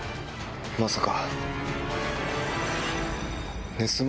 まさか。